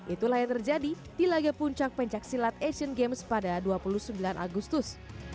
itulah yang terjadi di laga puncak pencaksilat asian games pada dua puluh sembilan agustus